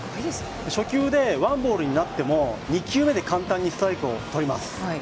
初球でワンボールになっても、２球目で簡単にストライクを取ります。